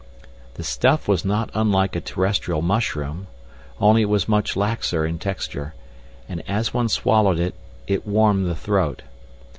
The stuff was not unlike a terrestrial mushroom, only it was much laxer in texture, and, as one swallowed it, it warmed the throat.